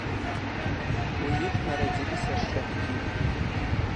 У іх нарадзіліся шчанюкі.